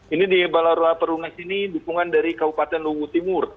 ini di balaroa perumnas ini dukungan dari kabupaten luwu timur